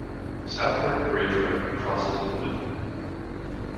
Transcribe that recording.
Southwark Bridge Road crosses in the middle.